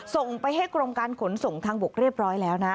ส่งไปให้กรมการขนส่งทางบกเรียบร้อยแล้วนะ